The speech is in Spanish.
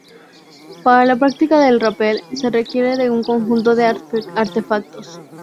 Para la práctica del rápel se requiere de un conjunto de artefactos.